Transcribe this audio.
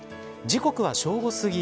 時刻は正午すぎ。